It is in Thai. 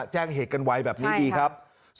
แจ้งเหตุกันไว้แบบนี้ดีครับ